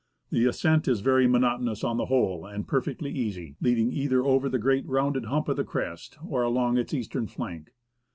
The ascent is very monotonous on the whole and perfectly easy, leading either over the great rounded hump of the crest, or along its eastern flank.